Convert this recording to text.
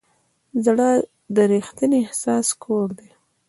زړه د ریښتیني احساس کور دی.